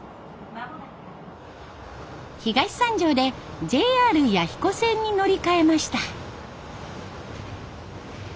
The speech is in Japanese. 東三条でＪＲ弥彦線に乗り換えました。